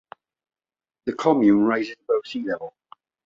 The comune rises above sea level.